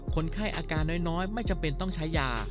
คนไข้อาการน้อยไม่จำเป็นต้องใช้ยา